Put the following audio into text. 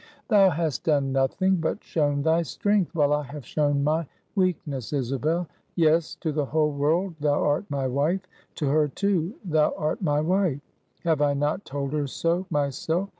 "Thou hast done nothing but shown thy strength, while I have shown my weakness, Isabel; yes, to the whole world thou art my wife to her, too, thou art my wife. Have I not told her so, myself?